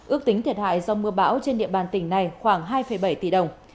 ước tính thiệt hại do mưa bão trên địa bàn tỉnh này khoảng hai bảy tỷ đồng